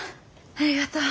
ありがとう。